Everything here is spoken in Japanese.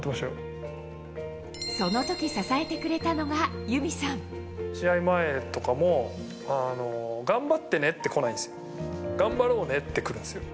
そのとき、試合前とかも、頑張ってねってこないんですよ、頑張ろうねってくるんですよ。